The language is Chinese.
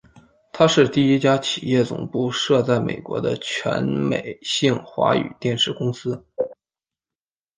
它是第一家企业总部设在美国的全美性华语电视公司。